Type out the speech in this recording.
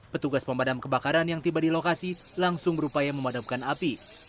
petugas pemadam kebakaran yang tiba di lokasi langsung berupaya memadamkan api